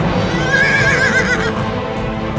assalamualaikum warahmatullahi wabarakatuh